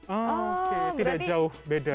oh berarti tidak jauh beda